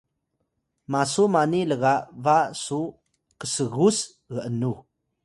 masu mani lga ba su ksgus g’nux